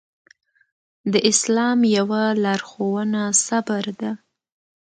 د اسلام يوه لارښوونه صبر ده.